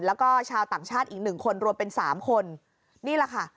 แล้วก็ชาวต่างชาติอีกหนึ่งคนรวมเป็นสามคนนี่แหละค่ะ